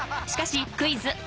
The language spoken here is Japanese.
しかし『クイズ！